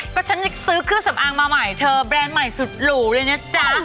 ก็ฉันยังซื้อเครื่องสำอางมาใหม่เธอแบรนด์ใหม่สุดหรูเลยนะจ๊ะ